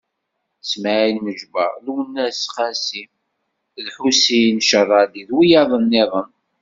Smaɛil Meǧber, Lwennas Qasi d Ḥusin Cerradi d wiyaḍ-nniḍen.